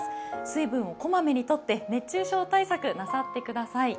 水分を小まめにとって熱中症対策なさってください。